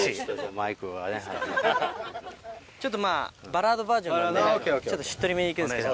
ちょっとまぁバラードバージョンなんでしっとりめにいくんですけど。